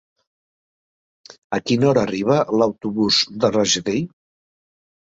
A quina hora arriba l'autobús de Rajadell?